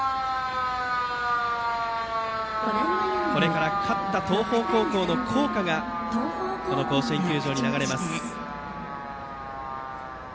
これから勝った東邦高校の校歌がこの甲子園球場に流れます。